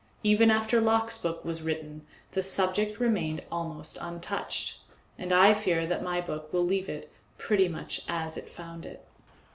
Even after Locke's book was written the subject remained almost untouched, and I fear that my book will leave it pretty much as it found it.